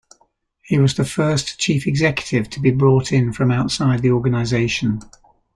He was the first chief executive to be brought in from outside the organization.